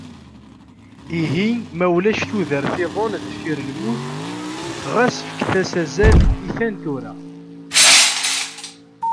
Ihi ma ulac tudert-iḍen deffir lmut, ɣas fket-as azal i ta n tura.